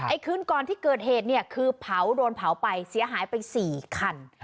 คืนก่อนที่เกิดเหตุเนี่ยคือเผาโดนเผาไปเสียหายไป๔คัน